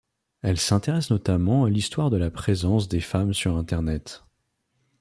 Elle s'intéresse notamment à l'histoire de la présence des femmes sur internet.